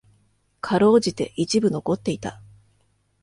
辛うじて一部残っていた。